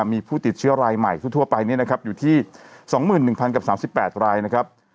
มีผู้ติดเชื้อรายใหม่ทั่วไปเนี่ยนะครับอยู่ที่สองหมื่นหนึ่งพันกับสามสิบแปดรายนะครับ